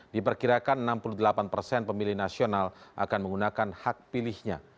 diperkirakan enam puluh delapan persen pemilih nasional akan menggunakan hak pilihnya